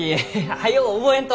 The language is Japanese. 早う覚えんと！